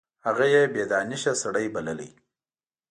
هغه یې بې دانشه سړی بللی.